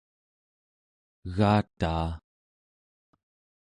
egataa